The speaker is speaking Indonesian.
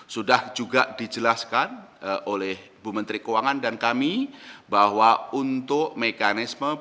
sudah juga dijelaskan oleh bu menteri keuangan dan kami bahwa untuk mekanisme